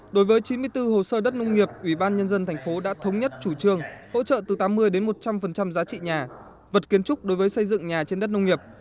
đối với chín mươi bốn hồ sơ đất nông nghiệp ủy ban nhân dân thành phố đã thống nhất chủ trương hỗ trợ từ tám mươi đến một trăm linh giá trị nhà vật kiến trúc đối với xây dựng nhà trên đất nông nghiệp